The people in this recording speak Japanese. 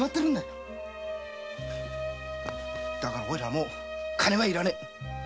だからオイラもう金はいらねえ。